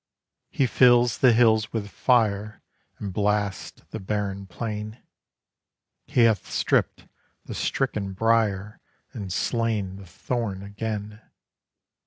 He fills the hills with fire And blasts the barren plain; He hath stript the stricken briar, And slain the thorn again.